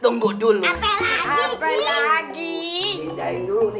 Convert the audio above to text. saga belum dibalikin udah sore